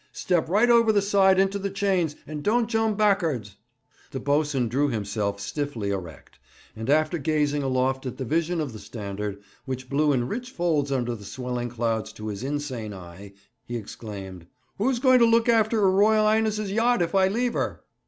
'Step right over the side into the chains, and don't jump back'ards.' The boatswain drew himself stiffly erect, and, after gazing aloft at the vision of the Standard, which blew in rich folds under the swelling clouds to his insane eye, he exclaimed: 'Who's going to look after her Royal 'Ighness's yacht if I leave her?'